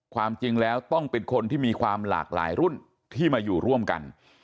ความจริงแล้วต้องเป็นคนที่มีความหลากหลายรุ่นที่มาอยู่ร่วมกัน